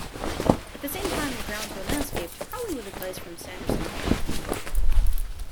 At the same time the grounds were landscaped, probably with advice from Sanderson Miller.